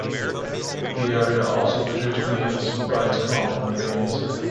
The area also produced maize, rice, cotton, and beans.